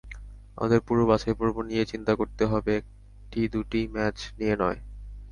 আমাদের পুরো বাছাইপর্ব নিয়েই চিন্তা করতে হবে, একটি-দুটি ম্যাচ নিয়ে নয়।